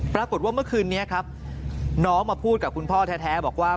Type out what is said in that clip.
ปรากฏว่าเมื่อคืนนี้ครับน้องมาพูดกับคุณพ่อแท้บอกว่า